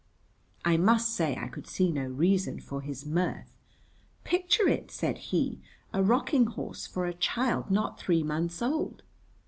I must say I could see no reason for his mirth. "Picture it," said he, "a rocking horse for a child not three months old!"